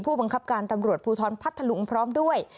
ผู้บังคับการตำรวจภูทรพัทธลุงพร้อมด้วย